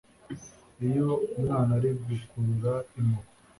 iyo umwana ari gukurura imoko